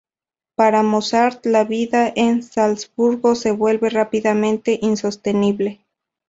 Para Mozart, la vida en Salzburgo se vuelve rápidamente insostenible.